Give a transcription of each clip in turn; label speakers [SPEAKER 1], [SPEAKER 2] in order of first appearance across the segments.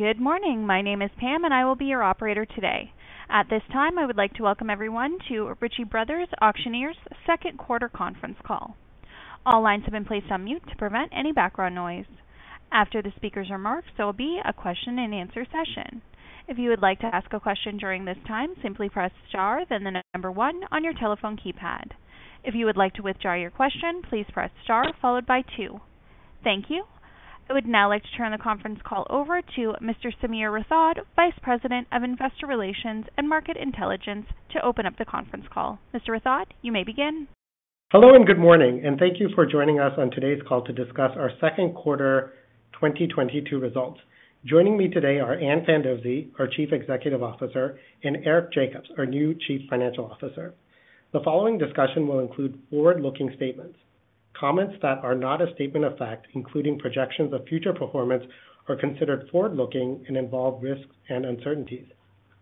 [SPEAKER 1] Good morning. My name is Pam and I will be your operator today. At this time, I would like to welcome everyone to Ritchie Bros. Auctioneers Second Quarter conference call. All lines have been placed on mute to prevent any background noise. After the speaker's remarks, there will be a question-and-answer session. If you would like to ask a question during this time, simply press star, then the number one on your telephone keypad. If you would like to withdraw your question, please press star followed by two. Thank you. I would now like to turn the conference call over to Mr. Sameer Rathod, Vice President of Investor Relations and Market Intelligence to open up the conference call. Mr. Rathod, you may begin.
[SPEAKER 2] Hello and good morning, and thank you for joining us on today's call to discuss our second quarter 2022 results. Joining me today are Ann Fandozzi, our Chief Executive Officer, and Eric Jacobs, our new Chief Financial Officer. The following discussion will include forward-looking statements. Comments that are not a statement of fact, including projections of future performance, are considered forward-looking and involve risks and uncertainties.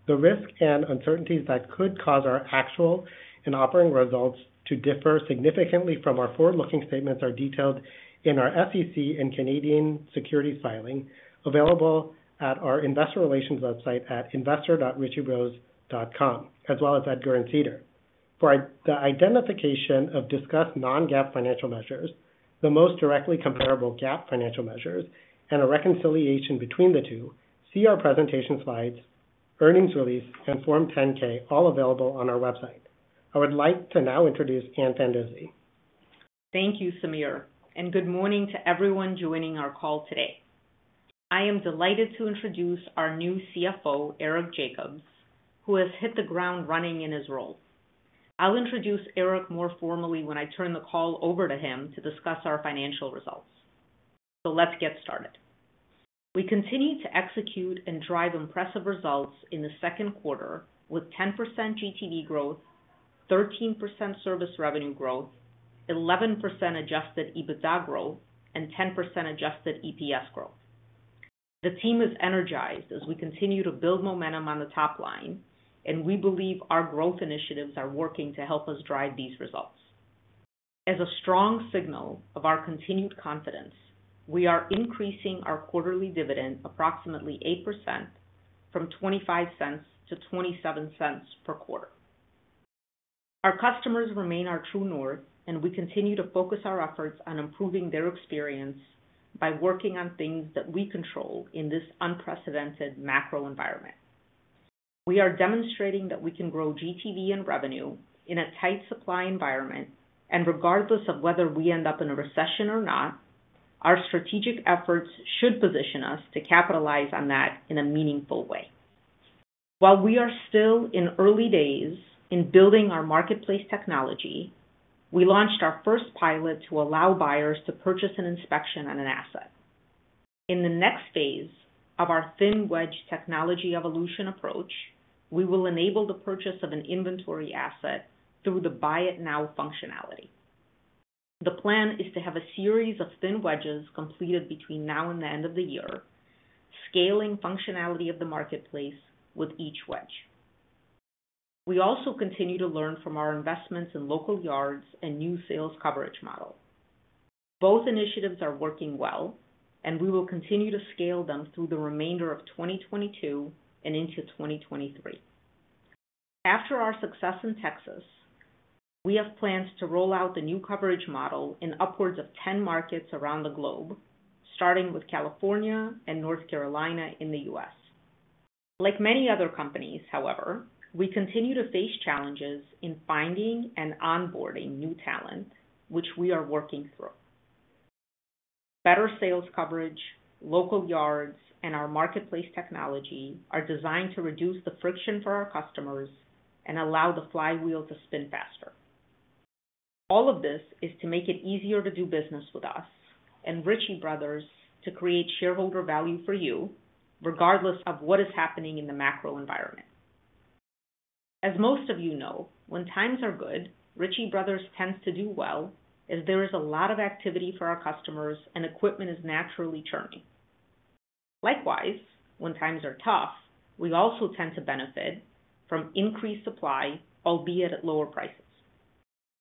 [SPEAKER 2] The risks and uncertainties that could cause our actual and operating results to differ significantly from our forward-looking statements are detailed in our SEC and Canadian securities filing, available at our investor relations website at investor.ritchiebros.com, as well as at SEDAR. For the identification of discussed non-GAAP financial measures, the most directly comparable GAAP financial measures and a reconciliation between the two, see our presentation slides, earnings release and Form 10-K, all available on our website. I would like to now introduce Ann Fandozzi.
[SPEAKER 3] Thank you, Sameer, and good morning to everyone joining our call today. I am delighted to introduce our new CFO, Eric Jacobs, who has hit the ground running in his role. I'll introduce Eric more formally when I turn the call over to him to discuss our financial results. Let's get started. We continue to execute and drive impressive results in the second quarter with 10% GTV growth, 13% service revenue growth, 11% adjusted EBITDA growth, and 10% adjusted EPS growth. The team is energized as we continue to build momentum on the top line, and we believe our growth initiatives are working to help us drive these results. As a strong signal of our continued confidence, we are increasing our quarterly dividend approximately 8% from $0.25 to $0.27 per quarter. Our customers remain our true north and we continue to focus our efforts on improving their experience by working on things that we control in this unprecedented macro environment. We are demonstrating that we can grow GTV and revenue in a tight supply environment. Regardless of whether we end up in a recession or not, our strategic efforts should position us to capitalize on that in a meaningful way. While we are still in early days in building our marketplace technology, we launched our first pilot to allow buyers to purchase an inspection on an asset. In the next phase of our thin wedge technology evolution approach, we will enable the purchase of an inventory asset through the Buy It Now functionality. The plan is to have a series of thin wedges completed between now and the end of the year, scaling functionality of the marketplace with each wedge. We also continue to learn from our investments in local yards and new sales coverage model. Both initiatives are working well and we will continue to scale them through the remainder of 2022 and into 2023. After our success in Texas, we have plans to roll out the new coverage model in upwards of 10 markets around the globe, starting with California and North Carolina in the U.S. Like many other companies, however, we continue to face challenges in finding and onboarding new talent, which we are working through. Better sales coverage, local yards and our marketplace technology are designed to reduce the friction for our customers and allow the flywheel to spin faster. All of this is to make it easier to do business with us and Ritchie Bros. to create shareholder value for you regardless of what is happening in the macro environment. As most of you know, when times are good, Ritchie Bros. tends to do well as there is a lot of activity for our customers and equipment is naturally churning. Likewise, when times are tough, we also tend to benefit from increased supply, albeit at lower prices.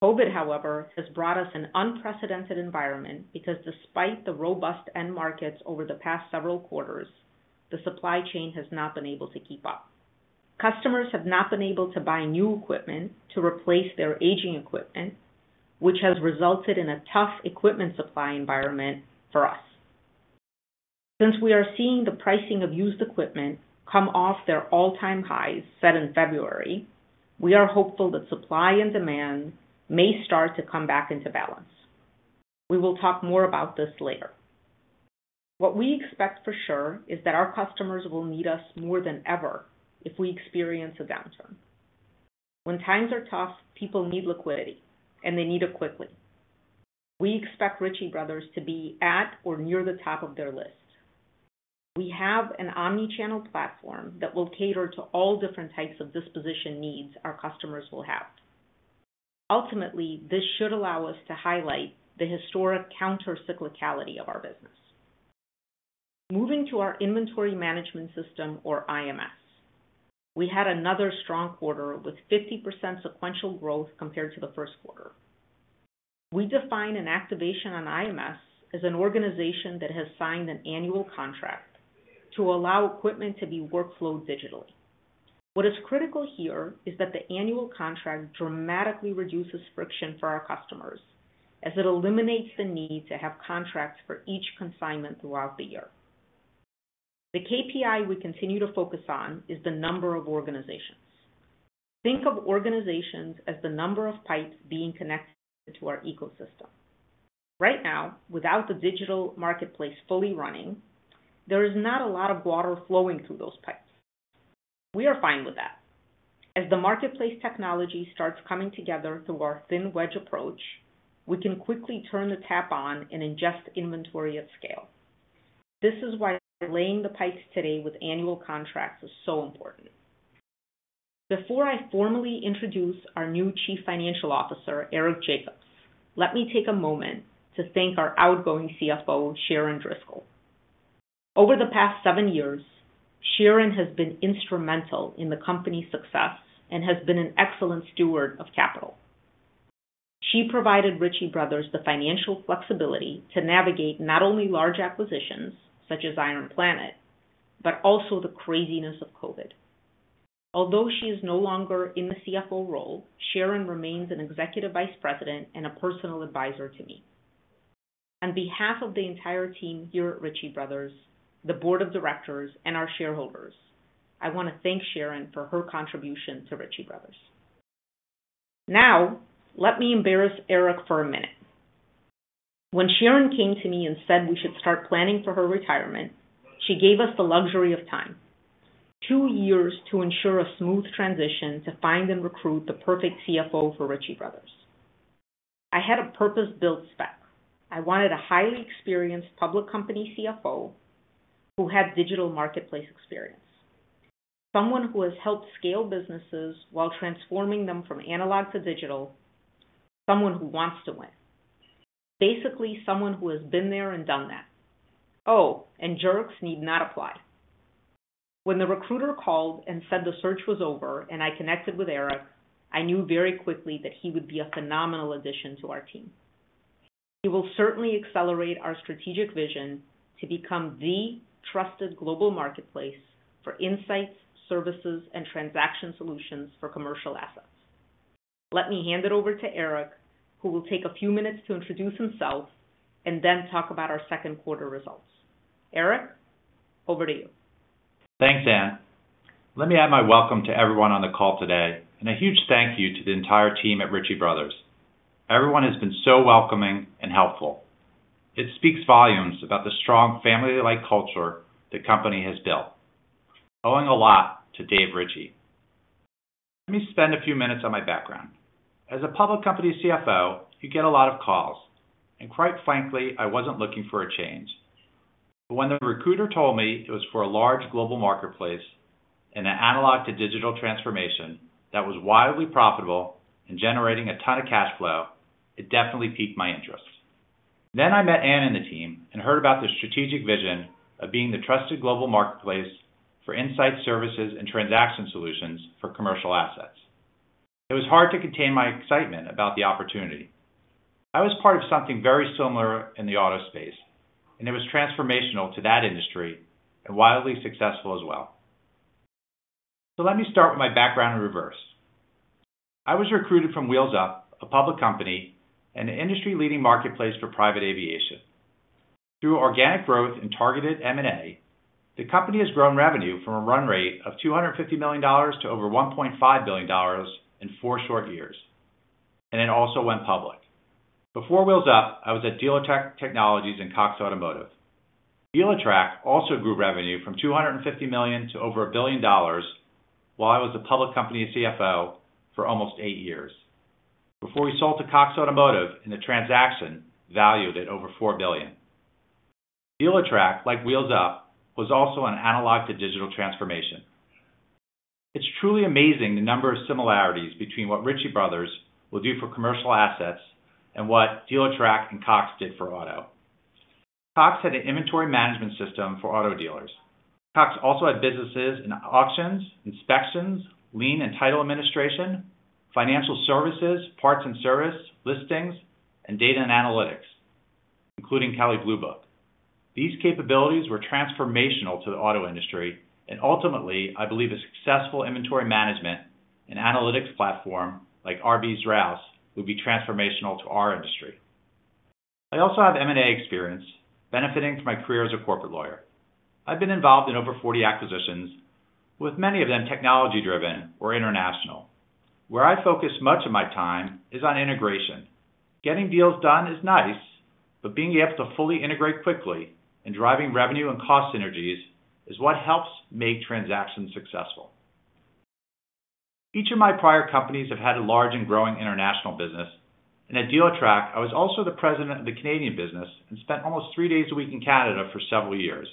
[SPEAKER 3] COVID, however, has brought us an unprecedented environment because despite the robust end markets over the past several quarters, the supply chain has not been able to keep up. Customers have not been able to buy new equipment to replace their aging equipment, which has resulted in a tough equipment supply environment for us. Since we are seeing the pricing of used equipment come off their all-time highs set in February, we are hopeful that supply and demand may start to come back into balance. We will talk more about this later. What we expect for sure is that our customers will need us more than ever if we experience a downturn. When times are tough, people need liquidity and they need it quickly. We expect Ritchie Bros. to be at or near the top of their list. We have an omni-channel platform that will cater to all different types of disposition needs our customers will have. Ultimately, this should allow us to highlight the historic counter-cyclicality of our business. Moving to our inventory management system or IMS. We had another strong quarter with 50% sequential growth compared to the first quarter. We define an activation on IMS as an organization that has signed an annual contract to allow equipment to be workflowed digitally. What is critical here is that the annual contract dramatically reduces friction for our customers, as it eliminates the need to have contracts for each consignment throughout the year. The KPI we continue to focus on is the number of organizations. Think of organizations as the number of pipes being connected to our ecosystem. Right now, without the digital marketplace fully running, there is not a lot of water flowing through those pipes. We are fine with that. As the marketplace technology starts coming together through our thin wedge approach, we can quickly turn the tap on and ingest inventory at scale. This is why laying the pipes today with annual contracts is so important. Before I formally introduce our new Chief Financial Officer, Eric Jacobs, let me take a moment to thank our outgoing CFO, Sharon Driscoll. Over the past seven years, Sharon has been instrumental in the company's success and has been an excellent steward of capital. She provided Ritchie Bros. the financial flexibility to navigate not only large acquisitions, such as IronPlanet, but also the craziness of COVID. Although she is no longer in the CFO role, Sharon remains an executive vice president and a personal advisor to me. On behalf of the entire team here at Ritchie Bros., the board of directors, and our shareholders, I want to thank Sharon for her contribution to Ritchie Bros. Now, let me embarrass Eric for a minute. When Sharon came to me and said we should start planning for her retirement, she gave us the luxury of time. Two years to ensure a smooth transition to find and recruit the perfect CFO for Ritchie Bros. I had a purpose-built spec. I wanted a highly experienced public company CFO who had digital marketplace experience. Someone who has helped scale businesses while transforming them from analog to digital. Someone who wants to win. Basically, someone who has been there and done that. Oh, and jerks need not apply. When the recruiter called and said the search was over and I connected with Eric, I knew very quickly that he would be a phenomenal addition to our team. He will certainly accelerate our strategic vision to become the trusted global marketplace for insights, services, and transaction solutions for commercial assets. Let me hand it over to Eric, who will take a few minutes to introduce himself and then talk about our second quarter results. Eric, over to you.
[SPEAKER 4] Thanks, Ann. Let me add my welcome to everyone on the call today and a huge thank you to the entire team at Ritchie Bros. Everyone has been so welcoming and helpful. It speaks volumes about the strong family-like culture the company has built, owing a lot to Dave Ritchie. Let me spend a few minutes on my background. As a public company CFO, you get a lot of calls, and quite frankly, I wasn't looking for a change. When the recruiter told me it was for a large global marketplace and an analog to digital transformation that was widely profitable and generating a ton of cash flow, it definitely piqued my interest. I met Ann and the team and heard about the strategic vision of being the trusted global marketplace for insight, services, and transaction solutions for commercial assets. It was hard to contain my excitement about the opportunity. I was part of something very similar in the auto space, and it was transformational to that industry and wildly successful as well. Let me start with my background in reverse. I was recruited from Wheels Up, a public company and an industry-leading marketplace for private aviation. Through organic growth and targeted M&A, the company has grown revenue from a run rate of $250 million to over $1.5 billion in four short years, and it also went public. Before Wheels Up, I was at Dealertrack Technologies and Cox Automotive. Dealertrack also grew revenue from $250 million to over $1 billion while I was a public company CFO for almost eight years, before we sold to Cox Automotive in a transaction valued at over $4 billion. Dealertrack, like Wheels Up, was also an analog to digital transformation. It's truly amazing the number of similarities between what Ritchie Bros. will do for commercial assets and what Dealertrack and Cox did for auto. Cox had an inventory management system for auto dealers. Cox also had businesses in auctions, inspections, lien and title administration, financial services, parts and service, listings, and data and analytics, including Kelley Blue Book. These capabilities were transformational to the auto industry. Ultimately, I believe a successful inventory management and analytics platform like RB's Rouse will be transformational to our industry. I also have M&A experience benefiting from my career as a corporate lawyer. I've been involved in over 40 acquisitions, with many of them technology-driven or international. Where I focus much of my time is on integration. Getting deals done is nice, but being able to fully integrate quickly and driving revenue and cost synergies is what helps make transactions successful. Each of my prior companies have had a large and growing international business. At Dealertrack, I was also the president of the Canadian business and spent almost three days a week in Canada for several years.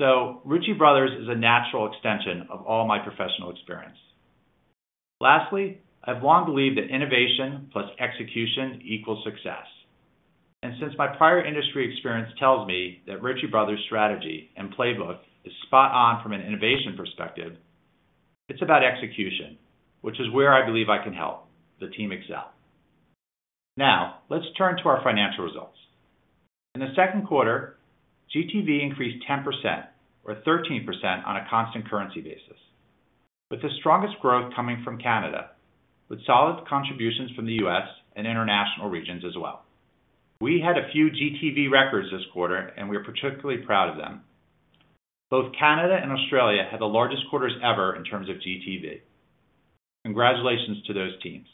[SPEAKER 4] Ritchie Bros. is a natural extension of all my professional experience. Lastly, I've long believed that innovation plus execution equals success. Since my prior industry experience tells me that Ritchie Bros. strategy and playbook is spot on from an innovation perspective, it's about execution, which is where I believe I can help the team excel. Now let's turn to our financial results. In the second quarter, GTV increased 10% or 13% on a constant currency basis, with the strongest growth coming from Canada, with solid contributions from the U.S. and international regions as well. We had a few GTV records this quarter and we are particularly proud of them. Both Canada and Australia had the largest quarters ever in terms of GTV. Congratulations to those teams.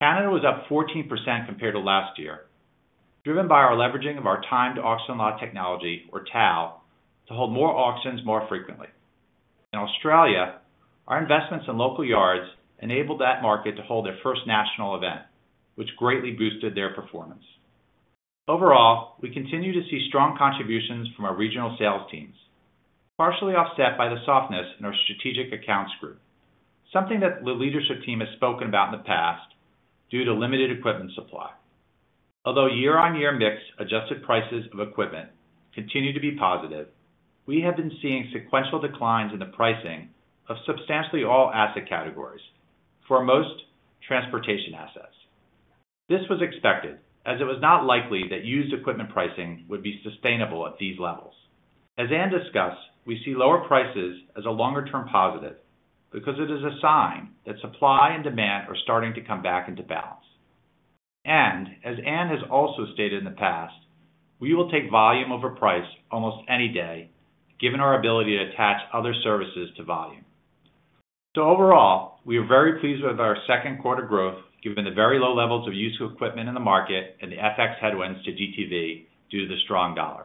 [SPEAKER 4] Canada was up 14% compared to last year, driven by our leveraging of our time to auction lot technology, or TAL, to hold more auctions more frequently. In Australia, our investments in local yards enabled that market to hold their first national event, which greatly boosted their performance. Overall, we continue to see strong contributions from our regional sales teams, partially offset by the softness in our strategic accounts group, something that the leadership team has spoken about in the past due to limited equipment supply. Although year-on-year mix adjusted prices of equipment continue to be positive, we have been seeing sequential declines in the pricing of substantially all asset categories for most transportation assets. This was expected, as it was not likely that used equipment pricing would be sustainable at these levels. As Ann discussed, we see lower prices as a longer term positive because it is a sign that supply and demand are starting to come back into balance. As Ann has also stated in the past, we will take volume over price almost any day given our ability to attach other services to volume. Overall, we are very pleased with our second quarter growth given the very low levels of used equipment in the market and the FX headwinds to GTV due to the strong dollar.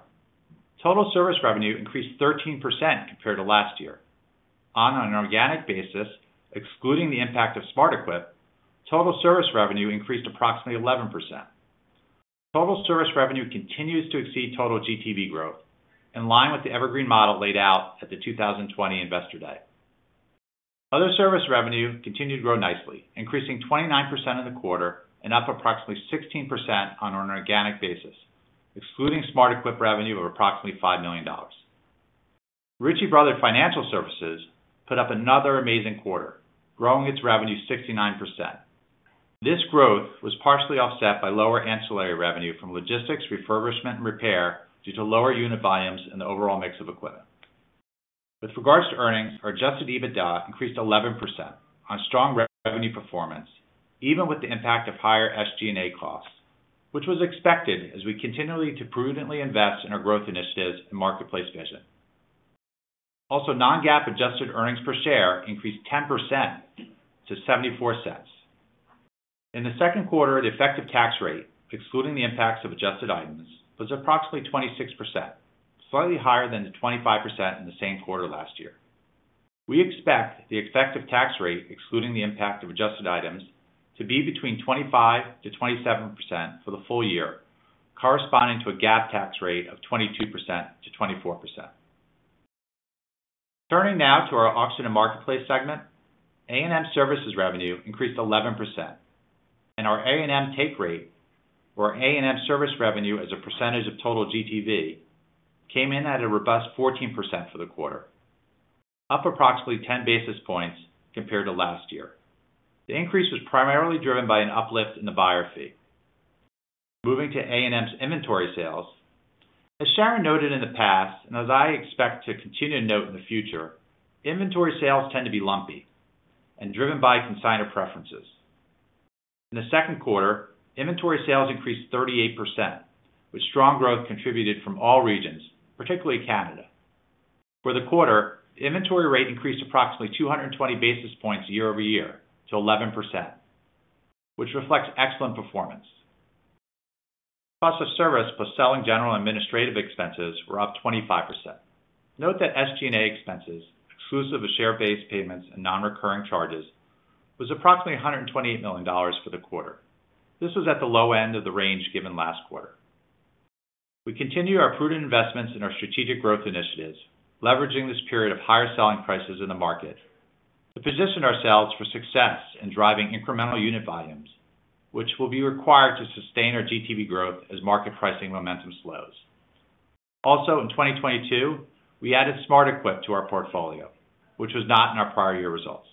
[SPEAKER 4] Total service revenue increased 13% compared to last year. On an organic basis, excluding the impact of SmartEquip, total service revenue increased approximately 11%. Total service revenue continues to exceed total GTV growth, in line with the Evergreen model laid out at the 2020 investor day. Other service revenue continued to grow nicely, increasing 29% in the quarter and up approximately 16% on an organic basis, excluding SmartEquip revenue of approximately $5 million. Ritchie Bros. Financial Services put up another amazing quarter, growing its revenue 69%. This growth was partially offset by lower ancillary revenue from logistics, refurbishment, and repair due to lower unit volumes and the overall mix of equipment. With regards to earnings, our adjusted EBITDA increased 11% on strong revenue performance even with the impact of higher SG&A costs, which was expected as we continue to prudently invest in our growth initiatives and marketplace vision. Also, non-GAAP adjusted earnings per share increased 10% to $0.74. In the second quarter, the effective tax rate, excluding the impacts of adjusted items, was approximately 26%, slightly higher than the 25% in the same quarter last year. We expect the effective tax rate, excluding the impact of adjusted items, to be between 25%-27% for the full year, corresponding to a GAAP tax rate of 22%-24%. Turning now to our auction and marketplace segment. A&M services revenue increased 11%. Our A&M take rate, or A&M service revenue as a percentage of total GTV, came in at a robust 14% for the quarter, up approximately 10 basis points compared to last year. The increase was primarily driven by an uplift in the buyer fee. Moving to A&M's inventory sales. As Sharon noted in the past and as I expect to continue to note in the future, inventory sales tend to be lumpy and driven by consignor preferences. In the second quarter, inventory sales increased 38%, with strong growth contributed from all regions, particularly Canada. For the quarter, inventory rate increased approximately 220 basis points year over year to 11%, which reflects excellent performance. Cost of service plus selling general administrative expenses were up 25%. Note that SG&A expenses, exclusive of share-based payments and non-recurring charges, was approximately $128 million for the quarter. This was at the low end of the range given last quarter. We continue our prudent investments in our strategic growth initiatives, leveraging this period of higher selling prices in the market to position ourselves for success in driving incremental unit volumes, which will be required to sustain our GTV growth as market pricing momentum slows. Also in 2022, we added SmartEquip to our portfolio, which was not in our prior year results.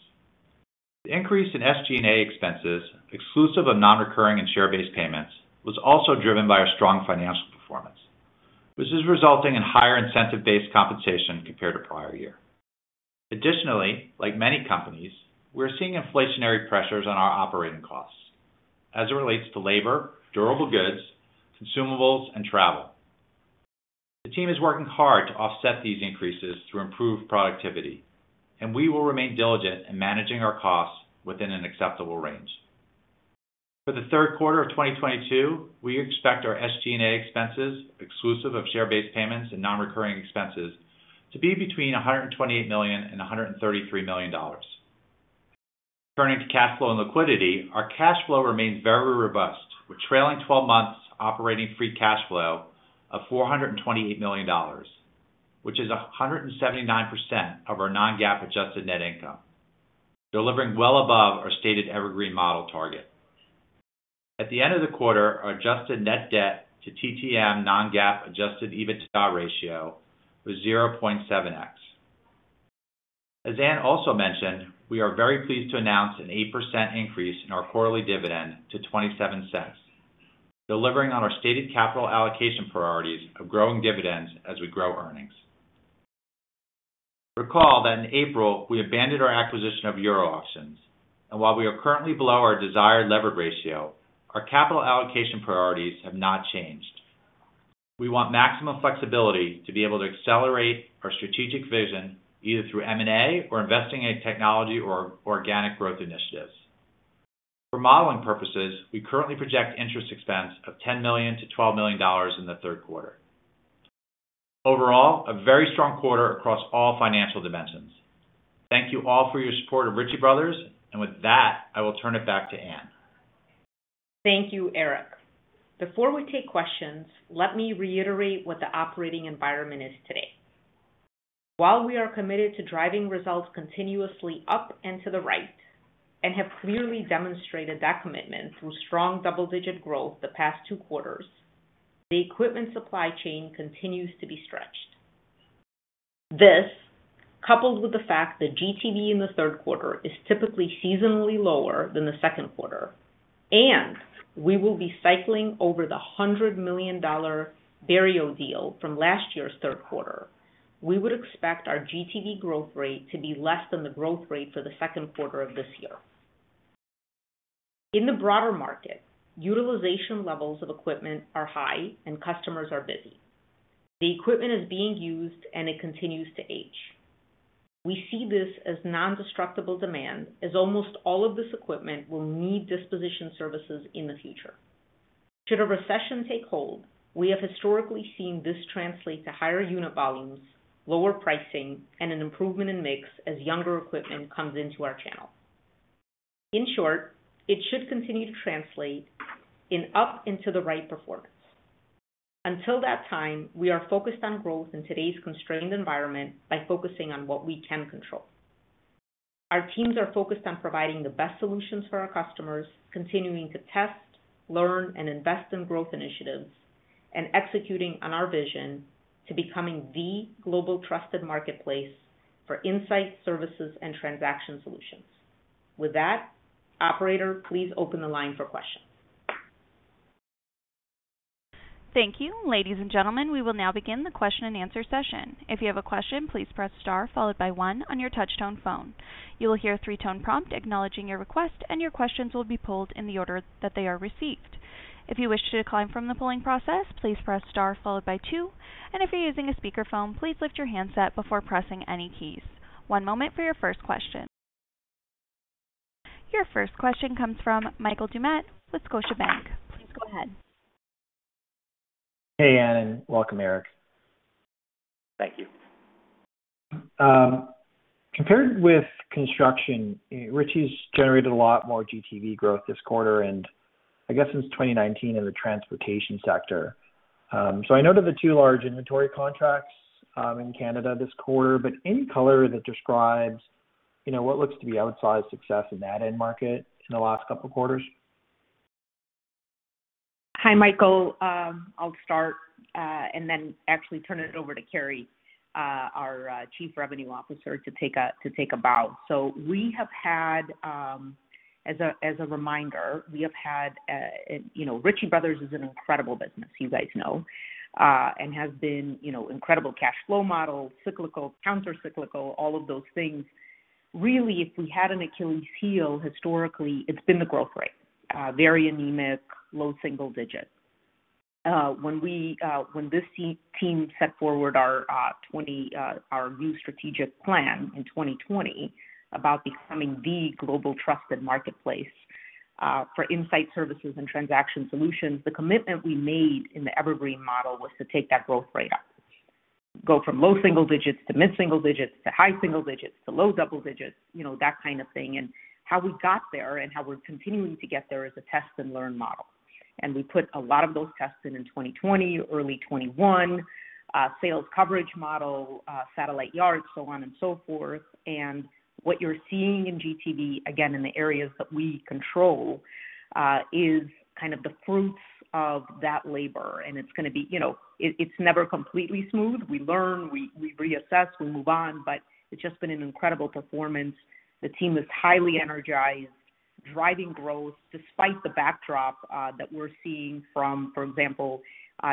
[SPEAKER 4] The increase in SG&A expenses, exclusive of non-recurring and share-based payments, was also driven by our strong financial performance, which is resulting in higher incentive-based compensation compared to prior year. Additionally, like many companies, we're seeing inflationary pressures on our operating costs as it relates to labor, durable goods, consumables, and travel. The team is working hard to offset these increases through improved productivity, and we will remain diligent in managing our costs within an acceptable range. For the third quarter of 2022, we expect our SG&A expenses, exclusive of share-based payments and non-recurring expenses, to be between $128 million and $133 million. Turning to cash flow and liquidity. Our cash flow remains very robust, with trailing-twelve-month operating free cash flow of $428 million, which is 179% of our non-GAAP adjusted net income. Delivering well above our stated Evergreen model target. At the end of the quarter, our adjusted net debt to TTM non-GAAP adjusted EBITDA ratio was 0.7x. As Ann also mentioned, we are very pleased to announce an 8% increase in our quarterly dividend to $0.27, delivering on our stated capital allocation priorities of growing dividends as we grow earnings. Recall that in April, we abandoned our acquisition of Euro Auctions. While we are currently below our desired levered ratio, our capital allocation priorities have not changed. We want maximum flexibility to be able to accelerate our strategic vision, either through M&A or investing in technology or organic growth initiatives. For modeling purposes, we currently project interest expense of $10 million-$12 million in the third quarter. Overall, a very strong quarter across all financial dimensions. Thank you all for your support of Ritchie Bros. With that, I will turn it back to Ann.
[SPEAKER 3] Thank you, Eric. Before we take questions, let me reiterate what the operating environment is today. While we are committed to driving results continuously up and to the right, and have clearly demonstrated that commitment through strong double-digit growth the past two quarters, the equipment supply chain continues to be stretched. This, coupled with the fact that GTV in the third quarter is typically seasonally lower than the second quarter, and we will be cycling over the $100 million Barrio deal from last year's third quarter. We would expect our GTV growth rate to be less than the growth rate for the second quarter of this year. In the broader market, utilization levels of equipment are high and customers are busy. The equipment is being used and it continues to age. We see this as non-destructible demand, as almost all of this equipment will need disposition services in the future. Should a recession take hold, we have historically seen this translate to higher unit volumes, lower pricing, and an improvement in mix as younger equipment comes into our channel. In short, it should continue to translate into up and to the right performance. Until that time, we are focused on growth in today's constrained environment by focusing on what we can control. Our teams are focused on providing the best solutions for our customers, continuing to test, learn, and invest in growth initiatives, and executing on our vision to becoming the global trusted marketplace for insight, services, and transaction solutions. With that, operator, please open the line for questions.
[SPEAKER 1] Thank you. Ladies and gentlemen, we will now begin the question and answer session. If you have a question, please press star followed by one on your touch tone phone. You will hear a three-tone prompt acknowledging your request, and your questions will be pulled in the order that they are received. If you wish to decline from the polling process, please press star followed by two. If you're using a speakerphone, please lift your handset before pressing any keys. One moment for your first question. Your first question comes from Michael Doumet with Scotiabank. Please go ahead.
[SPEAKER 5] Hey, Ann, and welcome, Eric.
[SPEAKER 4] Thank you.
[SPEAKER 5] Compared with construction, Ritchie Bros. generated a lot more GTV growth this quarter, and I guess since 2019 in the transportation sector. I know that the two large inventory contracts in Canada this quarter, but any color that describes, you know, what looks to be outsized success in that end market in the last couple of quarters?
[SPEAKER 3] Hi, Michael. I'll start, and then actually turn it over to Kari, our Chief Revenue Officer, to take a bow. As a reminder, we have had, you know, Ritchie Bros. is an incredible business, you guys know. Has been, you know, incredible cash flow model, cyclical, counter-cyclical, all of those things. Really, if we had an Achilles heel historically, it's been the growth rate. Very anemic, low single digit. When this team set forth our new strategic plan in 2020 about becoming the global trusted marketplace, for insight services and transaction solutions, the commitment we made in the Evergreen model was to take that growth rate up. Go from low single digits to mid single digits to high single digits to low double digits, you know, that kind of thing. How we got there and how we're continuing to get there is a test and learn model. We put a lot of those tests in 2020, early 2021. Sales coverage model, satellite yards, so on and so forth. What you're seeing in GTV, again, in the areas that we control, is kind of the fruits of that labor. It's gonna be, you know, it's never completely smooth. We learn, we reassess, we move on. It's just been an incredible performance. The team is highly energized, driving growth despite the backdrop that we're seeing from, for example,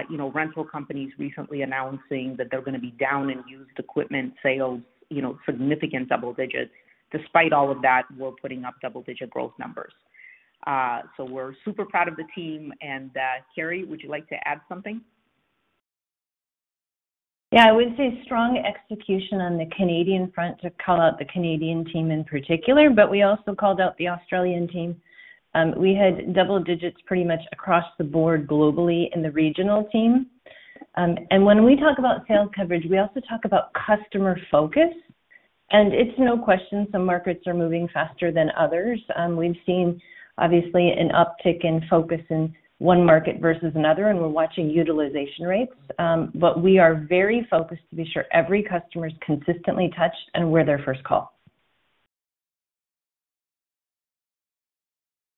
[SPEAKER 3] you know, rental companies recently announcing that they're gonna be down in used equipment sales, you know, significant double digits. Despite all of that, we're putting up double-digit growth numbers. We're super proud of the team. Kari, would you like to add something?
[SPEAKER 6] Yeah. I would say strong execution on the Canadian front to call out the Canadian team in particular, but we also called out the Australian team. We had double digits pretty much across the board globally in the regional team. When we talk about sales coverage, we also talk about customer focus. It's no question some markets are moving faster than others. We've seen obviously an uptick in focus in one market versus another, and we're watching utilization rates. We are very focused to be sure every customer is consistently touched and we're their first call.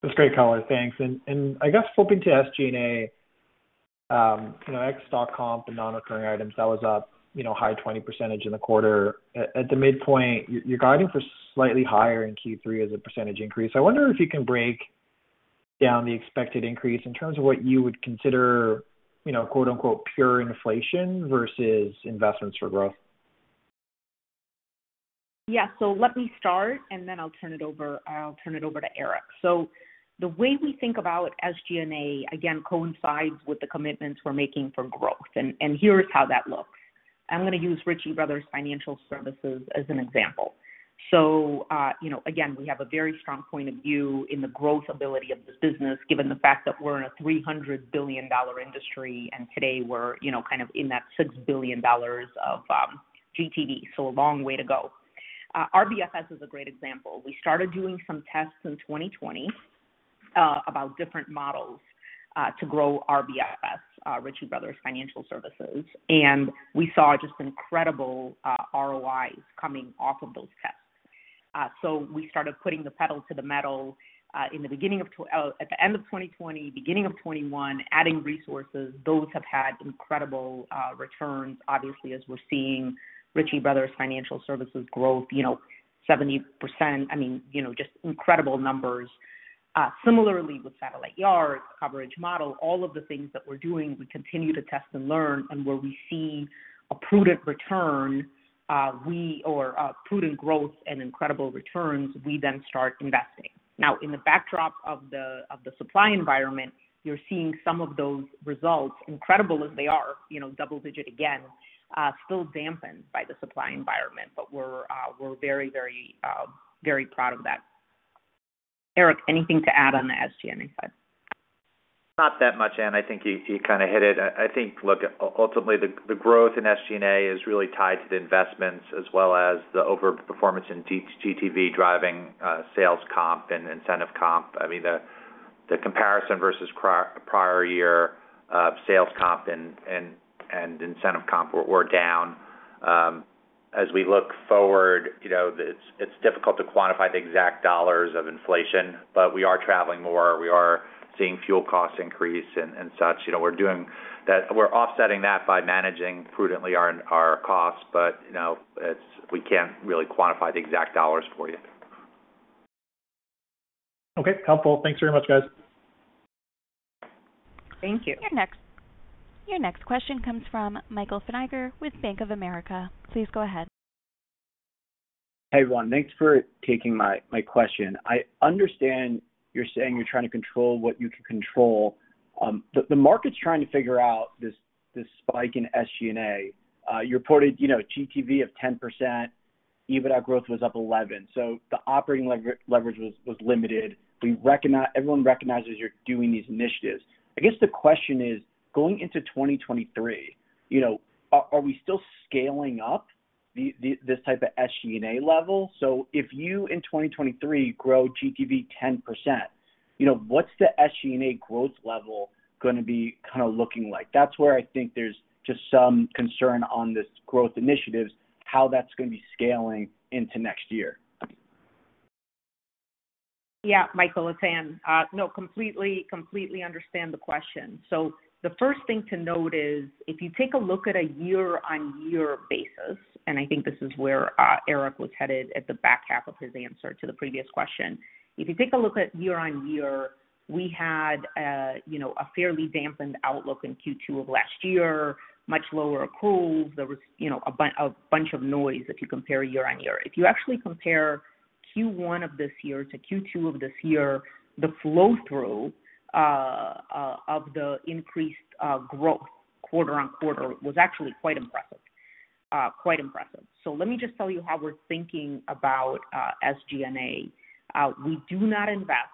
[SPEAKER 5] That's great color. Thanks. I guess flipping to SG&A, you know, ex dot-com and non-recurring items, that was up, you know, high 20% in the quarter. At the midpoint, you're guiding for slightly higher in Q3 as a percentage increase. I wonder if you can break down the expected increase in terms of what you would consider, you know, "pure inflation" versus investments for growth.
[SPEAKER 3] Yeah. Let me start, and then I'll turn it over to Eric. The way we think about SG&A, again, coincides with the commitments we're making for growth. Here's how that looks. I'm gonna use Ritchie Bros. Financial Services as an example. Again, we have a very strong point of view in the growth ability of this business, given the fact that we're in a $300 billion industry, and today we're kind of in that $6 billion of GTV, a long way to go. RBFS is a great example. We started doing some tests in 2020 about different models to grow RBFS, Ritchie Bros. Financial Services. We saw just incredible ROIs coming off of those tests. So we started putting the pedal to the metal at the end of 2020, beginning of 2021, adding resources. Those have had incredible returns, obviously, as we're seeing Ritchie Bros. Financial Services growth, you know, 70%. I mean, you know, just incredible numbers. Similarly with satellite yards, coverage model, all of the things that we're doing, we continue to test and learn, and where we see a prudent return or a prudent growth and incredible returns, we then start investing. Now, in the backdrop of the supply environment, you're seeing some of those results, incredible as they are, you know, double-digit again, still dampened by the supply environment. But we're very proud of that. Eric, anything to add on the SG&A side?
[SPEAKER 4] Not that much, Ann. I think you kinda hit it. I think, look, ultimately, the growth in SG&A is really tied to the investments as well as the overperformance in GTV driving sales comp and incentive comp. I mean, the comparison versus prior year sales comp and incentive comp were down. As we look forward, you know, it's difficult to quantify the exact dollars of inflation, but we are traveling more. We are seeing fuel costs increase and such. You know, we're offsetting that by managing prudently our costs, but you know, we can't really quantify the exact dollars for you.
[SPEAKER 5] Okay. Helpful. Thanks very much, guys.
[SPEAKER 3] Thank you.
[SPEAKER 1] Your next question comes from Michael Feniger with Bank of America. Please go ahead.
[SPEAKER 7] Hey, everyone. Thanks for taking my question. I understand you're saying you're trying to control what you can control. The market's trying to figure out this spike in SG&A. You reported, you know, GTV of 10%, EBITDA growth was up 11%, so the operating leverage was limited. Everyone recognizes you're doing these initiatives. I guess the question is, going into 2023, you know, are we still scaling up the this type of SG&A level? If you, in 2023, grow GTV 10%, you know, what's the SG&A growth level gonna be kinda looking like? That's where I think there's just some concern on this growth initiatives, how that's gonna be scaling into next year.
[SPEAKER 3] Yeah, Michael, it's Ann. No, completely understand the question. The first thing to note is if you take a look at a year-on-year basis, and I think this is where Eric Jacobs was headed at the back half of his answer to the previous question. If you take a look at year-on-year, we had, you know, a fairly dampened outlook in Q2 of last year, much lower approvals. There was, you know, a bunch of noise if you compare year-on-year. If you actually compare Q1 of this year to Q2 of this year, the flow-through of the increased growth quarter-on-quarter was actually quite impressive. Quite impressive. Let me just tell you how we're thinking about SG&A. We do not invest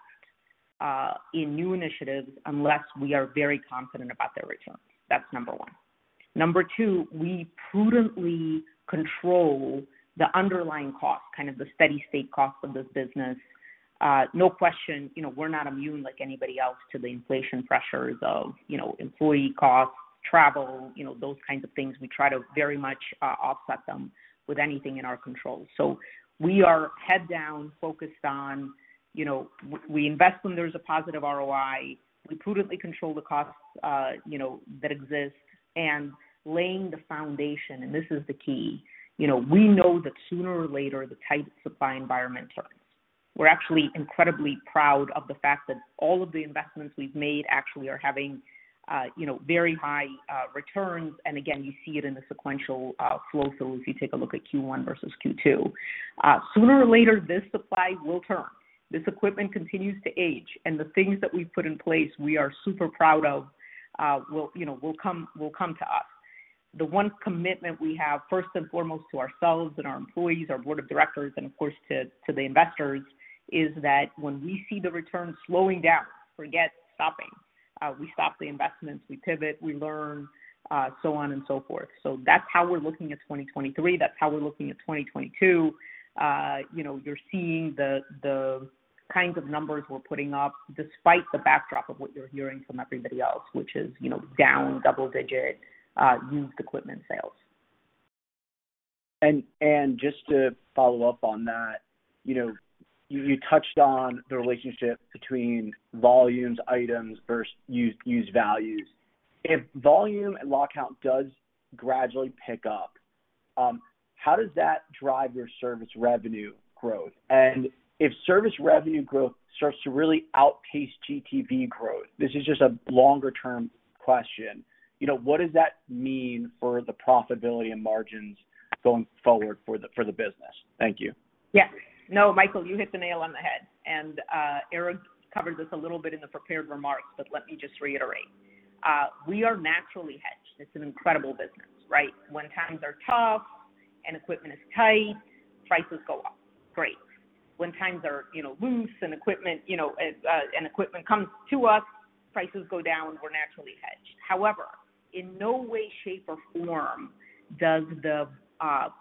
[SPEAKER 3] in new initiatives unless we are very confident about their returns. That's number one. Number two, we prudently control the underlying cost, kind of the steady state cost of this business. No question, you know, we're not immune like anybody else to the inflation pressures of, you know, employee costs, travel, you know, those kinds of things. We try to very much offset them with anything in our control. We are head down focused on, you know, we invest when there's a positive ROI. We prudently control the costs, you know, that exist, and laying the foundation, and this is the key. You know, we know that sooner or later, the tight supply environment turns. We're actually incredibly proud of the fact that all of the investments we've made actually are having, you know, very high returns. Again, you see it in the sequential flow through if you take a look at Q1 versus Q2. Sooner or later, this supply will turn. This equipment continues to age, and the things that we've put in place we are super proud of will come to us. The one commitment we have, first and foremost to ourselves and our employees, our board of directors, and of course to the investors, is that when we see the returns slowing down, forget stopping, we stop the investments, we pivot, we learn, so on and so forth. That's how we're looking at 2023. That's how we're looking at 2022. You know, you're seeing the kinds of numbers we're putting up despite the backdrop of what you're hearing from everybody else, which is, you know, down double-digit used equipment sales.
[SPEAKER 7] Just to follow up on that, you know, you touched on the relationship between volumes items versus used values. If volume and lot count does gradually pick up, how does that drive your service revenue growth? If service revenue growth starts to really outpace GTV growth, this is just a longer term question, you know, what does that mean for the profitability and margins going forward for the business? Thank you.
[SPEAKER 3] Yes. No, Michael, you hit the nail on the head. Eric covered this a little bit in the prepared remarks, but let me just reiterate. We are naturally hedged. It's an incredible business, right? When times are tough and equipment is tight, prices go up. Great. When times are, you know, loose and equipment, you know, and equipment comes to us, prices go down. We're naturally hedged. However, in no way, shape, or form does the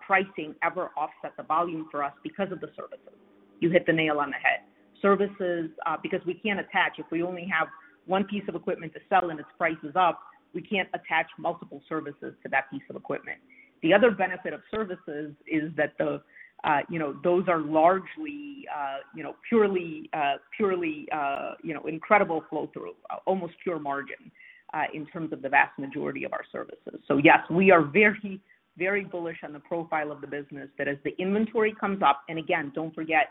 [SPEAKER 3] pricing ever offset the volume for us because of the services. You hit the nail on the head. Services, because we can't attach if we only have one piece of equipment to sell and its price is up, we can't attach multiple services to that piece of equipment. The other benefit of services is that, you know, those are largely, you know, purely incredible flow-through, almost pure margin in terms of the vast majority of our services. Yes, we are very, very bullish on the profile of the business that as the inventory comes up, and again, don't forget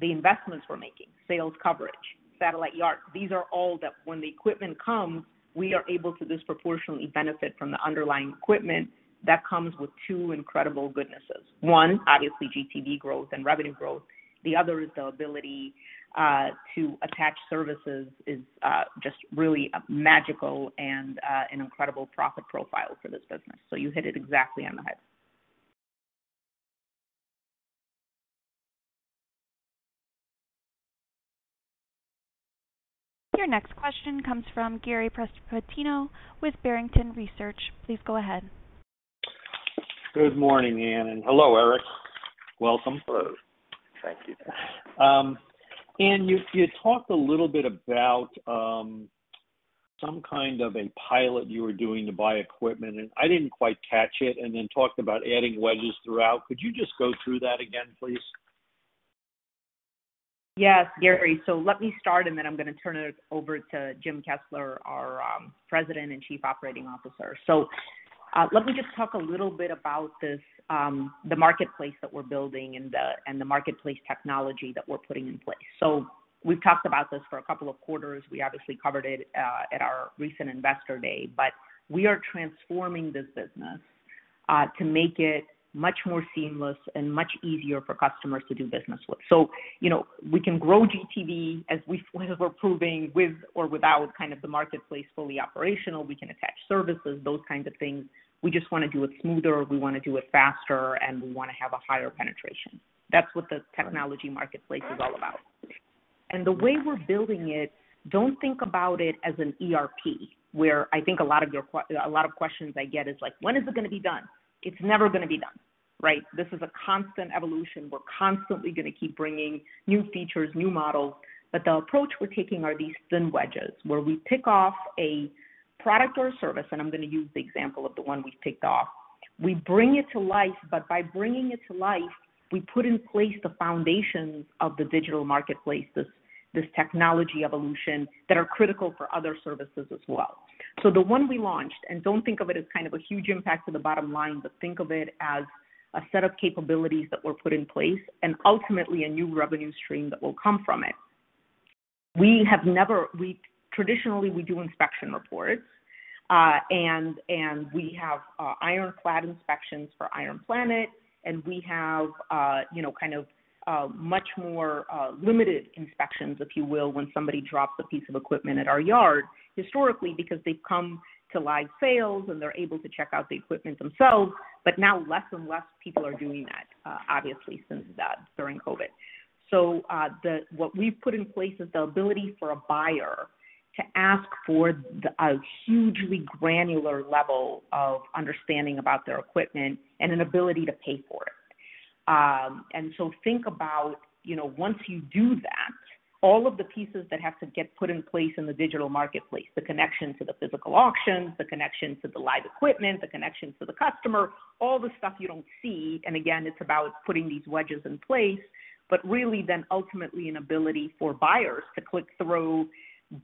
[SPEAKER 3] the investments we're making, sales coverage, satellite yard. These are all that when the equipment comes, we are able to disproportionately benefit from the underlying equipment that comes with two incredible goodnesses. One, obviously GTV growth and revenue growth. The other is the ability to attach services is just really magical and an incredible profit profile for this business. You hit it exactly on the head.
[SPEAKER 1] Your next question comes from Gary Prestopino with Barrington Research. Please go ahead.
[SPEAKER 8] Good morning, Ann, and hello, Eric. Welcome.
[SPEAKER 4] Hello. Thank you.
[SPEAKER 8] Ann, you talked a little bit about some kind of a pilot you were doing to buy equipment, and I didn't quite catch it, and then talked about adding wedges throughout. Could you just go through that again, please?
[SPEAKER 3] Yes, Gary. Let me start, and then I'm going to turn it over to Jim Kessler, our President and Chief Operating Officer. Let me just talk a little bit about this, the marketplace that we're building and the marketplace technology that we're putting in place. We've talked about this for a couple of quarters. We obviously covered it at our recent Investor Day, but we are transforming this business to make it much more seamless and much easier for customers to do business with. You know, we can grow GTV as we're proving with or without kind of the marketplace fully operational. We can attach services, those kinds of things. We just want to do it smoother, we want to do it faster, and we want to have a higher penetration. That's what the technology marketplace is all about. The way we're building it, don't think about it as an ERP, where I think a lot of your questions I get is like, "When is it going to be done?" It's never going to be done, right? This is a constant evolution. We're constantly going to keep bringing new features, new models. The approach we're taking are these thin wedges, where we pick off a product or service, and I'm going to use the example of the one we picked off. We bring it to life, but by bringing it to life, we put in place the foundations of the digital marketplace, this technology evolution that are critical for other services as well. The one we launched, and don't think of it as kind of a huge impact to the bottom line, but think of it as a set of capabilities that were put in place and ultimately a new revenue stream that will come from it. We traditionally do inspection reports, and we have IronClad inspections for IronPlanet, and we have you know kind of much more limited inspections, if you will, when somebody drops a piece of equipment at our yard, historically, because they've come to live sales and they're able to check out the equipment themselves. Now less and less people are doing that, obviously since that, during COVID. What we've put in place is the ability for a buyer to ask for a hugely granular level of understanding about their equipment and an ability to pay for it. Think about, you know, once you do that, all of the pieces that have to get put in place in the digital marketplace, the connection to the physical auctions, the connection to the live equipment, the connection to the customer, all the stuff you don't see. Again, it's about putting these wedges in place, but really then ultimately an ability for buyers to click through,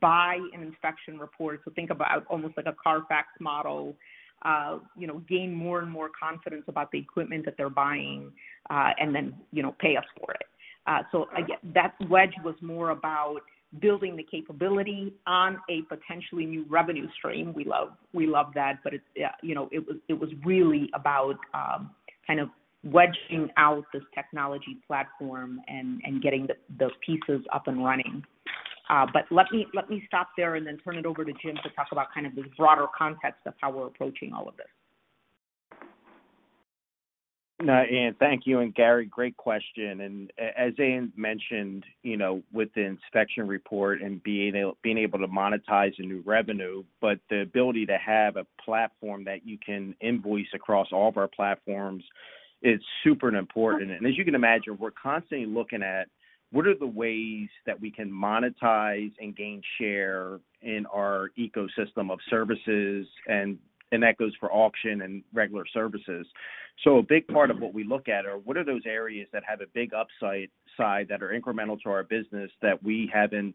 [SPEAKER 3] buy an inspection report. Think about almost like a Carfax model, you know, gain more and more confidence about the equipment that they're buying, and then, you know, pay us for it. Again, that wedge was more about building the capability on a potentially new revenue stream. We love that, but it's, you know, it was really about kind of wedging out this technology platform and getting those pieces up and running. Let me stop there and then turn it over to Jim to talk about kind of the broader context of how we're approaching all of this.
[SPEAKER 9] Ann, thank you. Gary, great question. As Ann mentioned, you know, with the inspection report and being able to monetize a new revenue, but the ability to have a platform that you can invoice across all of our platforms is super important. As you can imagine, we're constantly looking at what are the ways that we can monetize and gain share in our ecosystem of services. That goes for auction and regular services. A big part of what we look at are what are those areas that have a big upside side that are incremental to our business that we haven't,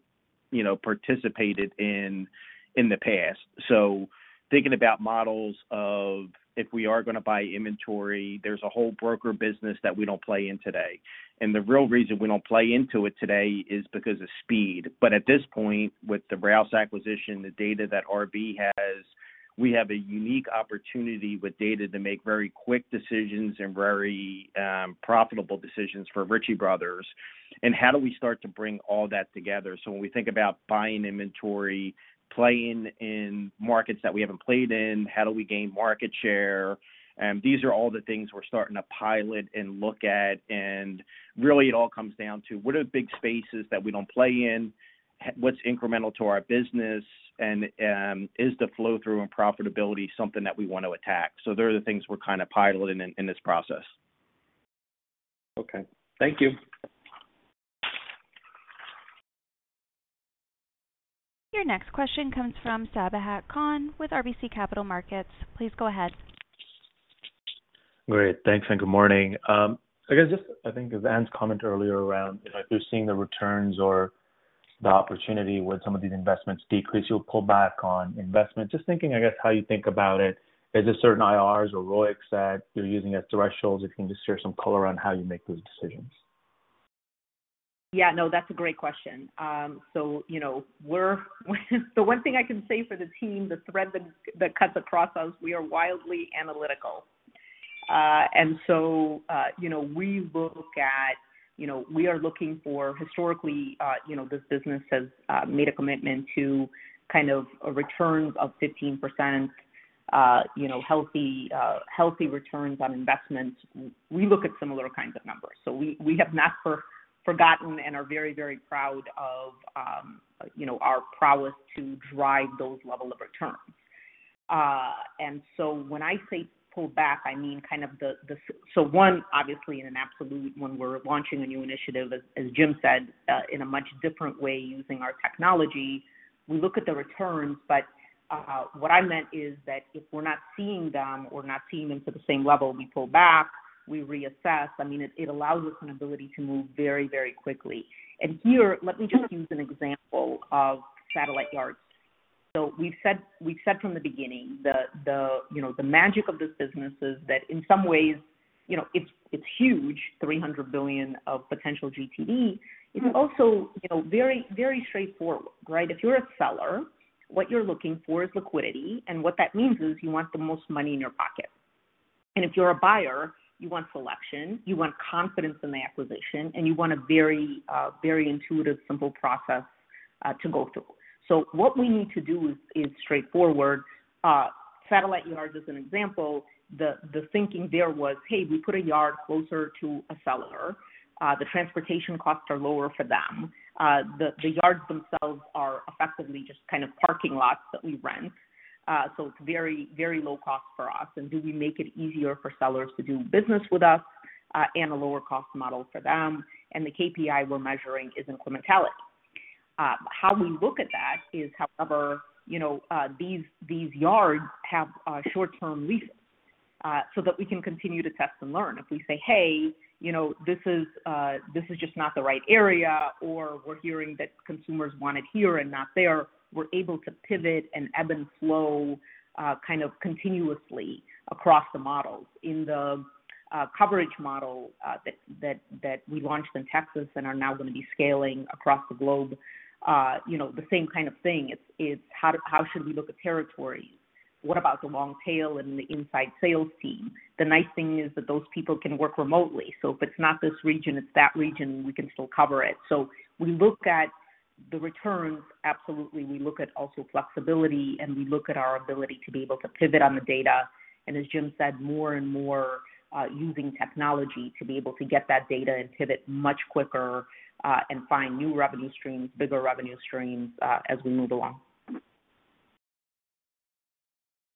[SPEAKER 9] you know, participated in the past. Thinking about models of if we are gonna buy inventory, there's a whole broker business that we don't play in today. The real reason we don't play into it today is because of speed. At this point, with the Rouse acquisition, the data that RB has, we have a unique opportunity with data to make very quick decisions and very profitable decisions for Ritchie Bros. How do we start to bring all that together? When we think about buying inventory, playing in markets that we haven't played in, how do we gain market share? These are all the things we're starting to pilot and look at. Really, it all comes down to what are the big spaces that we don't play in? What's incremental to our business? Is the flow-through and profitability something that we want to attack? They are the things we're kind of piloting in this process.
[SPEAKER 8] Okay. Thank you.
[SPEAKER 1] Your next question comes from Sabahat Khan with RBC Capital Markets. Please go ahead.
[SPEAKER 10] Great. Thanks, and good morning. I guess just I think to Ann's comment earlier around, you know, if you're seeing the returns or the opportunity with some of these investments decrease, you'll pull back on investment. Just thinking, I guess, how you think about it, is there certain IRRs or ROICs that you're using as thresholds? If you can just share some color on how you make those decisions.
[SPEAKER 3] Yeah, no, that's a great question. So, you know, we're the one thing I can say for the team, the thread that cuts across us, we are wildly analytical. And so, you know, we look at, you know, we are looking for historically, you know, this business has made a commitment to kind of a returns of 15%, you know, healthy returns on investment. We look at similar kinds of numbers. So we have not forgotten and are very, very proud of, you know, our prowess to drive those level of returns. And so when I say pull back, I mean, kind of the so one, obviously, in an absolute, when we're launching a new initiative, as Jim said, in a much different way using our technology, we look at the returns. What I meant is that if we're not seeing them to the same level, we pull back, we reassess. I mean, it allows us an ability to move very, very quickly. Here, let me just use an example of satellite yards. We've said from the beginning, you know, the magic of this business is that in some ways, you know, it's huge, $300 billion of potential GTV. It's also, you know, very, very straightforward, right? If you're a seller, what you're looking for is liquidity, and what that means is you want the most money in your pocket. If you're a buyer, you want selection, you want confidence in the acquisition, and you want a very, very intuitive, simple process to go through. What we need to do is straightforward. Satellite yards, as an example, the thinking there was, hey, we put a yard closer to a seller. The transportation costs are lower for them. The yards themselves are effectively just kind of parking lots that we rent. It's very, very low cost for us. Do we make it easier for sellers to do business with us, and a lower cost model for them? The KPI we're measuring is incrementality. How we look at that is, however, you know, these yards have short-term leases so that we can continue to test and learn. If we say, "Hey, you know, this is just not the right area," or we're hearing that consumers want it here and not there, we're able to pivot and ebb and flow kind of continuously across the models. In the coverage model that we launched in Texas and are now gonna be scaling across the globe. You know, the same kind of thing. It's how should we look at territory? What about the long tail and the inside sales team? The nice thing is that those people can work remotely. If it's not this region, it's that region, we can still cover it. We look at the returns, absolutely. We look at also flexibility, and we look at our ability to be able to pivot on the data. As Jim said, more and more, using technology to be able to get that data and pivot much quicker, and find new revenue streams, bigger revenue streams, as we move along.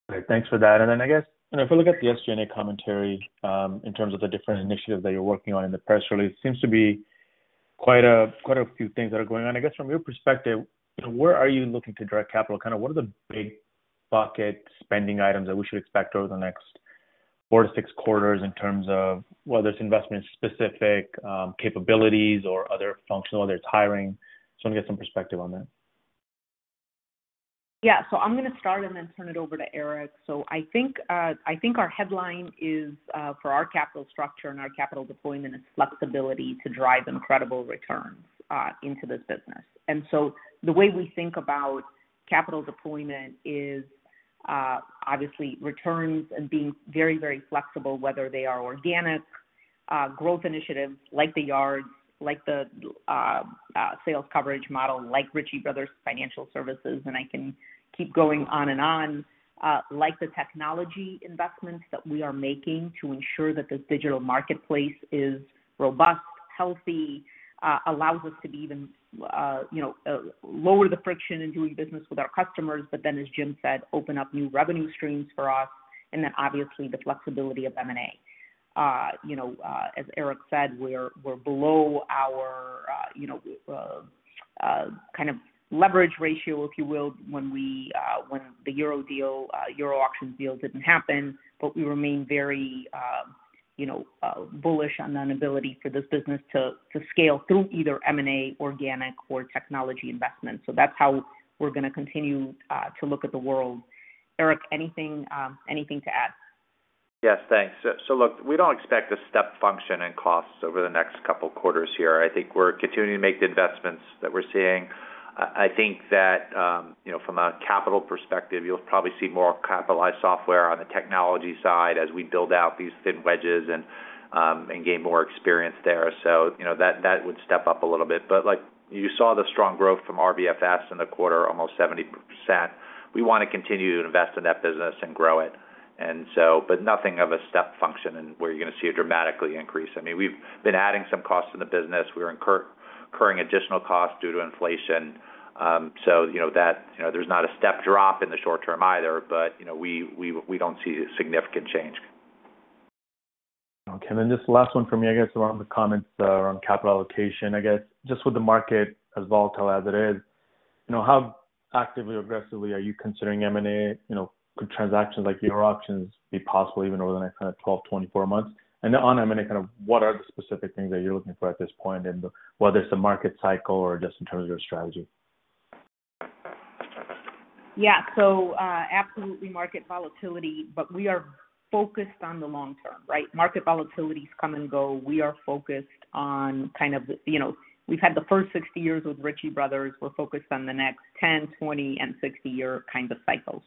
[SPEAKER 10] Great. Thanks for that. I guess, you know, if we look at the SG&A commentary, in terms of the different initiatives that you're working on in the press release, seems to be quite a few things that are going on. I guess from your perspective, you know, where are you looking to direct capital? Kinda what are the big bucket spending items that we should expect over the next four to six quarters in terms of whether it's investment-specific capabilities or other functional, whether it's hiring. Just wanna get some perspective on that.
[SPEAKER 3] Yeah. I'm gonna start and then turn it over to Eric. I think our headline is for our capital structure and our capital deployment is flexibility to drive incredible returns into this business. The way we think about capital deployment is obviously returns and being very, very flexible, whether they are organic growth initiatives like the yards, like the sales coverage model, like Ritchie Bros. Financial Services, and I can keep going on and on. Like the technology investments that we are making to ensure that this digital marketplace is robust, healthy, allows us to be even, you know, lower the friction in doing business with our customers. As Jim said, open up new revenue streams for us, and then obviously the flexibility of M&A. You know, as Eric said, we're below our, you know, kind of leverage ratio, if you will, when the Euro Auctions deal didn't happen. We remain very, you know, bullish on an ability for this business to scale through either M&A, organic or technology investments. That's how we're gonna continue to look at the world. Eric, anything to add?
[SPEAKER 4] Yes, thanks. Look, we don't expect a step function in costs over the next couple quarters here. I think we're continuing to make the investments that we're seeing. I think that, you know, from a capital perspective, you'll probably see more capitalized software on the technology side as we build out these thin wedges and gain more experience there. You know, that would step up a little bit. Like you saw the strong growth from RBFS in the quarter, almost 70%. We wanna continue to invest in that business and grow it. Nothing of a step function where you're gonna see a dramatic increase. I mean, we've been adding some costs in the business. We're incurring additional costs due to inflation. You know that, you know, there's not a step drop in the short term either, but, you know, we don't see a significant change.
[SPEAKER 10] Okay. Just last one for me, I guess, around the comments around capital allocation. I guess just with the market as volatile as it is, you know, how actively aggressively are you considering M&A? You know, could transactions like Euro Auctions be possible even over the next kind of 12-24 months? On M&A, kind of what are the specific things that you're looking for at this point and whether it's the market cycle or just in terms of your strategy?
[SPEAKER 3] Yeah. Absolutely market volatility, but we are focused on the long term, right? Market volatilities come and go. We are focused on kind of, you know, we've had the first 60 years with Ritchie Bros. We're focused on the next 10, 20, and 60-year kind of cycle.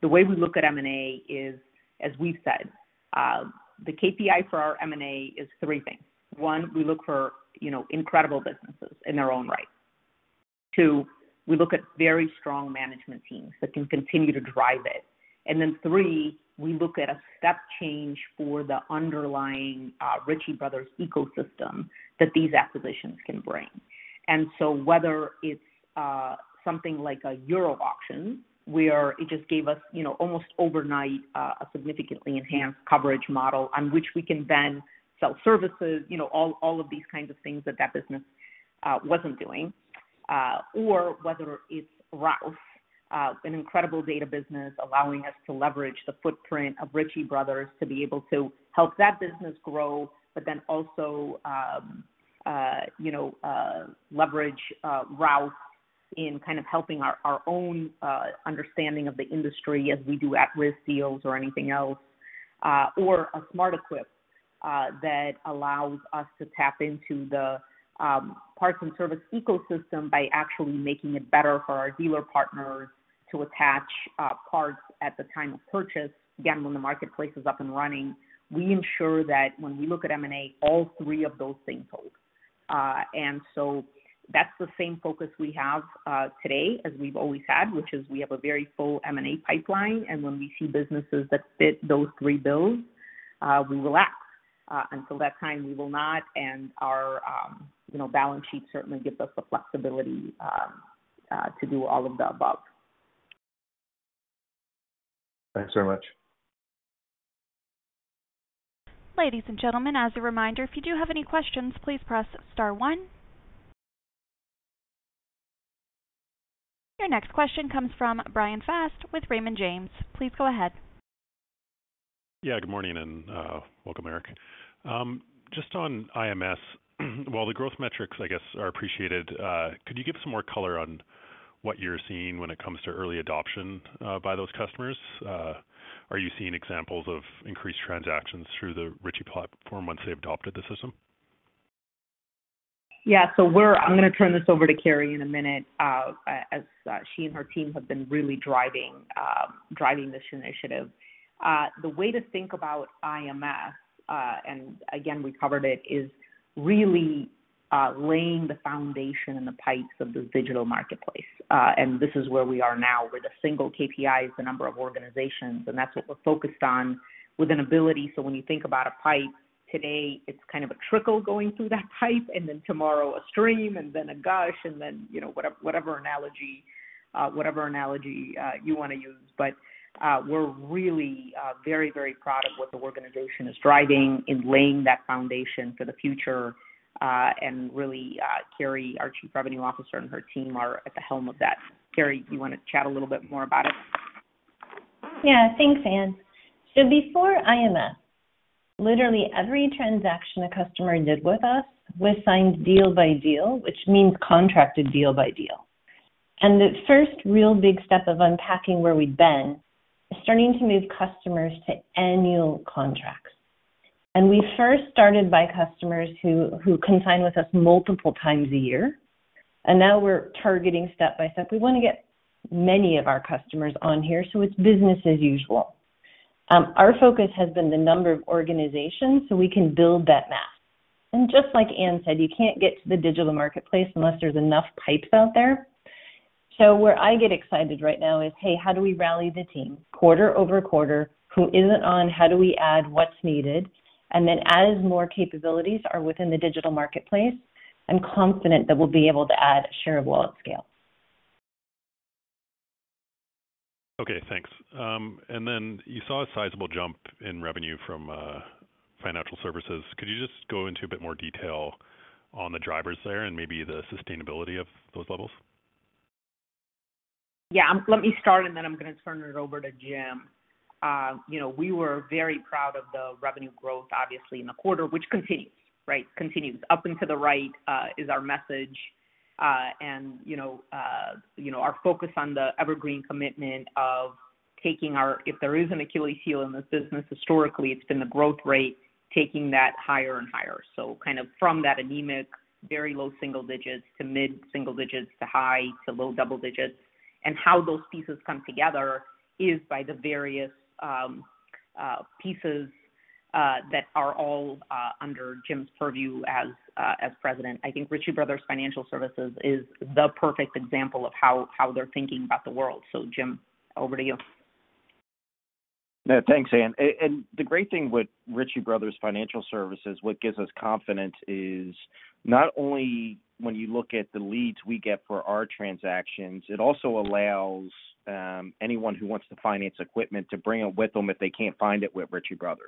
[SPEAKER 3] The way we look at M&A is, as we've said, the KPI for our M&A is three things. One, we look for, you know, incredible businesses in their own right. Two, we look at very strong management teams that can continue to drive it. And then three, we look at a step change for the underlying Ritchie Bros. ecosystem that these acquisitions can bring. Whether it's something like a Euro Auctions, where it just gave us, you know, almost overnight, a significantly enhanced coverage model on which we can then sell services, you know, all of these kinds of things that business wasn't doing. Or whether it's Rouse, an incredible data business allowing us to leverage the footprint of Ritchie Brothers to be able to help that business grow, but then also, you know, leverage Rouse in kind of helping our own understanding of the industry as we do at-risk deals or anything else. Or a SmartEquip that allows us to tap into the parts and service ecosystem by actually making it better for our dealer partners to attach parts at the time of purchase. Again, when the marketplace is up and running, we ensure that when we look at M&A, all three of those things hold. That's the same focus we have today as we've always had, which is we have a very full M&A pipeline, and when we see businesses that fit those three bills, we will act. Until that time, we will not, and our you know, balance sheet certainly gives us the flexibility to do all of the above.
[SPEAKER 10] Thanks very much.
[SPEAKER 1] Ladies and gentlemen, as a reminder, if you do have any questions, please press star one. Your next question comes from Bryan Fast with Raymond James. Please go ahead.
[SPEAKER 11] Yeah, good morning and welcome Eric. Just on IMS, while the growth metrics I guess are appreciated, could you give some more color on what you're seeing when it comes to early adoption by those customers? Are you seeing examples of increased transactions through the Ritchie platform once they've adopted the system?
[SPEAKER 3] Yeah. I'm gonna turn this over to Kari in a minute, as she and her team have been really driving this initiative. The way to think about IMS, and again we covered it, is really laying the foundation and the pipes of this digital marketplace. This is where we are now, where the single KPI is the number of organizations, and that's what we're focused on with an ability. When you think about a pipe today, it's kind of a trickle going through that pipe, and then tomorrow a stream and then a gush, and then, you know, whatever analogy you wanna use. We're really very, very proud of what the organization is driving in laying that foundation for the future. Really, Kari, our Chief Revenue Officer and her team are at the helm of that. Kari, you wanna chat a little bit more about it?
[SPEAKER 6] Yeah. Thanks, Ann. Before IMS, literally every transaction a customer did with us was signed deal by deal, which means contracted deal by deal. The first real big step of unpacking where we've been is starting to move customers to annual contracts. We first started by customers who consigned with us multiple times a year, and now we're targeting step-by-step. We wanna get many of our customers on here, so it's business as usual. Our focus has been the number of organizations so we can build that map. Just like Ann said, you can't get to the digital marketplace unless there's enough pipes out there. Where I get excited right now is, hey, how do we rally the team quarter-over-quarter? Who isn't on? How do we add what's needed? As more capabilities are within the digital marketplace, I'm confident that we'll be able to add share of wallet scale.
[SPEAKER 11] Okay, thanks. You saw a sizable jump in revenue from financial services. Could you just go into a bit more detail on the drivers there and maybe the sustainability of those levels?
[SPEAKER 3] Yeah. Let me start, and then I'm gonna turn it over to Jim. You know, we were very proud of the revenue growth, obviously, in the quarter, which continues, right? Up and to the right is our message. You know, our focus on the Evergreen commitment. If there is an Achilles heel in this business, historically it's been the growth rate, taking that higher and higher. Kind of from that anemic, very low single digits to mid single digits to high to low double digits. How those pieces come together is by the various pieces that are all under Jim's purview as President. I think Ritchie Bros. Financial Services is the perfect example of how they're thinking about the world. Jim, over to you.
[SPEAKER 9] Yeah, thanks, Ann. The great thing with Ritchie Bros. Financial Services, what gives us confidence is not only when you look at the leads we get for our transactions, it also allows anyone who wants to finance equipment to bring it with them if they can't find it with Ritchie Bros.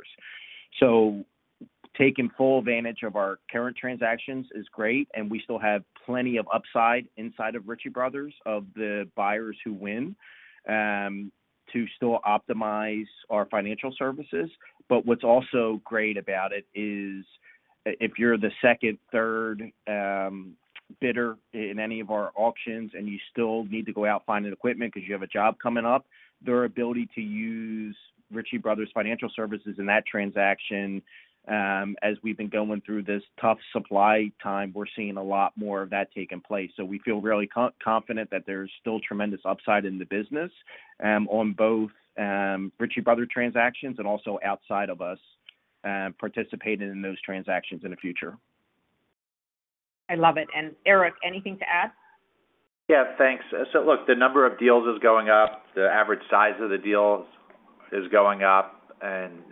[SPEAKER 9] Taking full advantage of our current transactions is great, and we still have plenty of upside inside of Ritchie Bros. of the buyers who win to still optimize our financial services. What's also great about it is if you're the second, third bidder in any of our auctions and you still need to go out finding equipment because you have a job coming up, their ability to use Ritchie Bros. Financial Services in that transaction, as we've been going through this tough supply time, we're seeing a lot more of that taking place. We feel really confident that there's still tremendous upside in the business, on both Ritchie Bros. transactions and also outside of us participating in those transactions in the future.
[SPEAKER 3] I love it. Eric, anything to add?
[SPEAKER 4] Yeah, thanks. Look, the number of deals is going up, the average size of the deals is going up.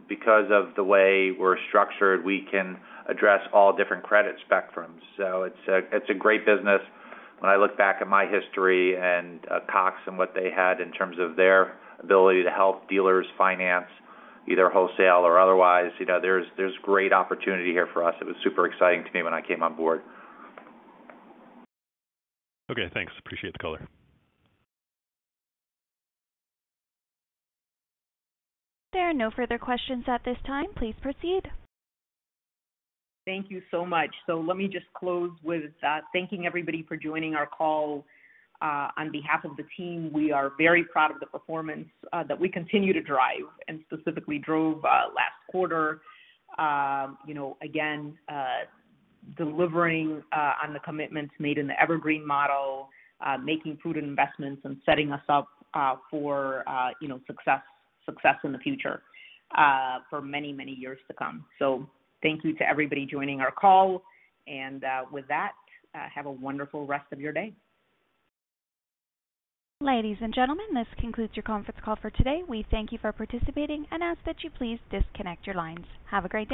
[SPEAKER 4] Because of the way we're structured, we can address all different credit spectrums. It's a great business. When I look back at my history and Cox and what they had in terms of their ability to help dealers finance, either wholesale or otherwise, you know, there's great opportunity here for us. It was super exciting to me when I came on board.
[SPEAKER 11] Okay, thanks. Appreciate the color.
[SPEAKER 1] There are no further questions at this time. Please proceed.
[SPEAKER 3] Thank you so much. Let me just close with thanking everybody for joining our call. On behalf of the team, we are very proud of the performance that we continue to drive and specifically drove last quarter. You know, again, delivering on the commitments made in the Evergreen model, making prudent investments and setting us up for you know, success in the future for many years to come. Thank you to everybody joining our call. With that, have a wonderful rest of your day.
[SPEAKER 1] Ladies and gentlemen, this concludes your conference call for today. We thank you for participating and ask that you please disconnect your lines. Have a great day.